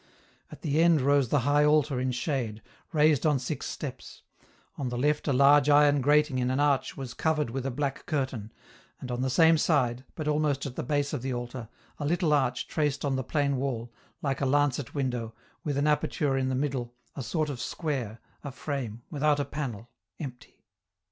At the end rose the high altar in shade, raised on six steps ; on the left a large iron grating in an arch was covered with a black curtain, and on the same side, but almost at the base of the altar, a little arch traced on the plain wall, like a lancet window, with an aperture in the middle, a sort of square, a frame, without a panel, empty.